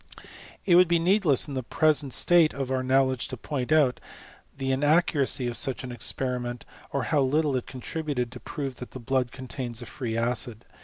It would be needless in the present state of ouf knowledge to point out the inaccuracy of such an experiment, or how little it contributed to prove that blood contains a free acid.